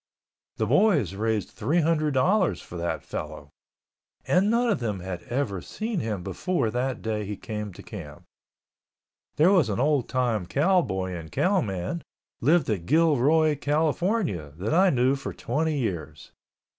The boys raised three hundred dollars for that fellow ... and none of them had ever seen him before that day he came to camp. There was an old time cowboy and cowman—lived at Gilroy, California, that I knew for twenty years.